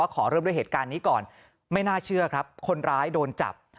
ขอเริ่มด้วยเหตุการณ์นี้ก่อนไม่น่าเชื่อครับคนร้ายโดนจับ